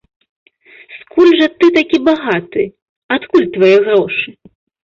Скуль жа ты такі багаты, адкуль твае грошы?